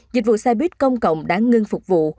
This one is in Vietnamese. dịch vụ xe buýt công cộng đã ngưng phục vụ